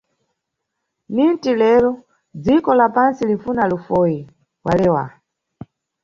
"Ninti lero, dziko la pantsi linfuna lufoyi", walewa.